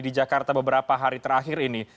di jakarta beberapa hari terakhir ini